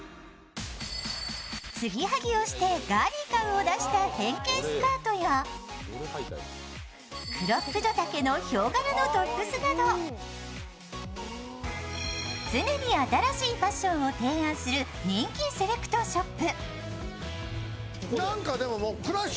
つぎはぎをしてガーリー感を出した変形スカートやクロップド丈のひょう柄のトップスなど常に新しいファッションを提案する人気セレクトショップ。